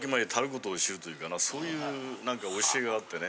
そういう何か教えがあってね。